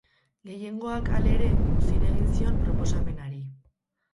Gehiengoak, halere, muzin egin zion proposamenari.